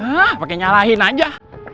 hah pake nyalahin aja